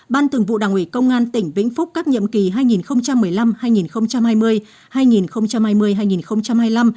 ban thường vụ đảng ủy công an tỉnh vĩnh phúc các nhiệm kỳ hai nghìn một mươi năm hai nghìn hai mươi hai nghìn hai mươi hai nghìn hai mươi năm